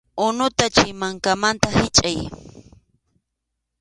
Unuta chay mankamanta hichʼay.